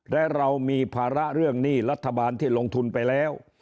และเรามีภาระเรื่องหนี้รัฐบาลที่ลงทุนไปแล้ว